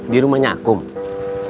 di rumahnya akung